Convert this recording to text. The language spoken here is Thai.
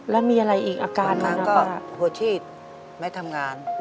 แล้วมีอะไรอีกอาการเหมือนกันค่ะบางครั้งก็ผัวชีสไม่ทำงาน